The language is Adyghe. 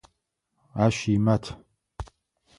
Ащ имат.